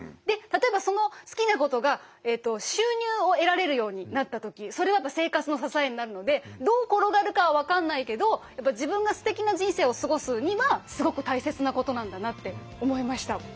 で例えばその好きなことが収入を得られるようになった時それはやっぱ生活の支えになるのでどう転がるかは分かんないけど自分がすてきな人生を過ごすにはすごく大切なことなんだなって思いました。